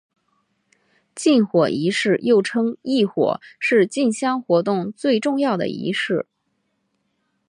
进火仪式又称刈火是进香活动最重要的仪式。